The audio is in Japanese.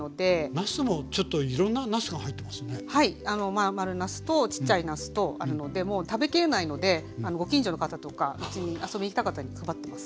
真ん丸なすとちっちゃいなすとあるのでもう食べきれないのでご近所の方とかうちに遊びに来た方に配ってます。